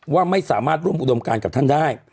ว่าไม่สามารถร่วมอุดมการกับท่านได้